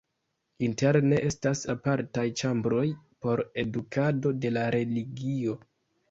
Interne estas apartaj ĉambroj por edukado de la religio.